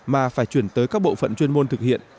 mà phải chuyển tới các bộ phận chuyên môn thực hiện